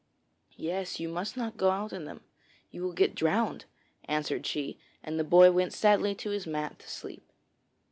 'Yes; you must not go out in them. You will get drowned,' answered she, and the boy went sadly to his mat to sleep.